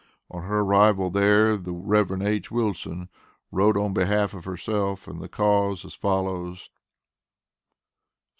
On her arrival there the Rev. H. Wilson wrote on behalf of herself, and the cause as follows: ST.